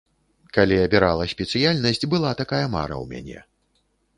Калі абірала спецыяльнасць, была такая мара ў мяне.